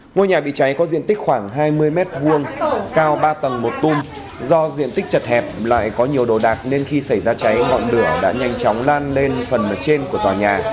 ngôi nhà bị cháy có diện tích khoảng hai mươi m hai cao ba tầng một tung do diện tích chật hẹp lại có nhiều đồ đạc nên khi xảy ra cháy ngọn lửa đã nhanh chóng lan lên phần ở trên của tòa nhà